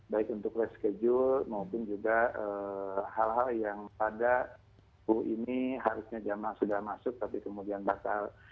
baik untuk reschedule maupun juga hal hal yang pada ini harusnya jemaah sudah masuk tapi kemudian batal